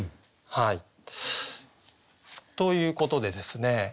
ということでですね